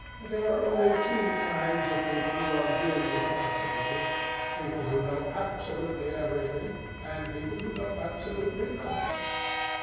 There are only two kinds of people who are really fascinating—people who know absolutely everything, and people who know absolutely nothing.